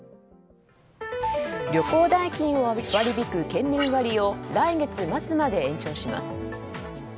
旅行代金を割り引く県民割を来月末まで延長します。